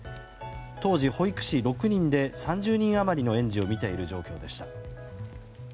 当時、保育士６人で３０人余りの園児を見ている状況でした。